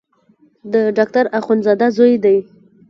د ډاکټر اخندزاده زوی دی.